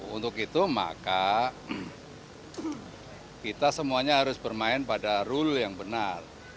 untuk itu maka kita semuanya harus bermain pada rule yang benar